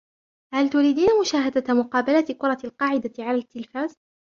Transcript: هل تريدين مشاهدة مقابلة كرة القاعدة على التلفاز ؟